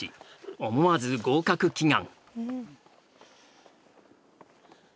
思わず合格祈願。